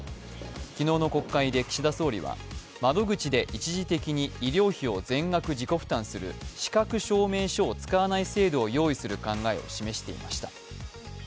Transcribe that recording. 昨日の国会で岸田総理は窓口で一時的に医療費を全額自己負担する資格証明書を使わない制度を用意する考えを示していました。